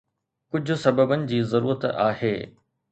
ڪجهه سببن جي ضرورت آهي